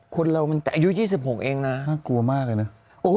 คนเรามันแต่อายุ๒๖เองนะน่ากลัวมากเลยนะ